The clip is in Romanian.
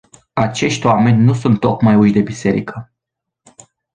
Acești oameni nu sunt tocmai uși de biserică.